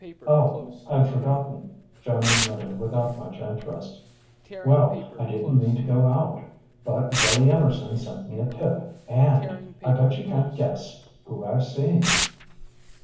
"Oh I'd forgotten," Joan admitted without much interest. "Well, I didn't mean to go out, but Billy Emerson sent me a tip and ... I bet you can't guess who I've seen."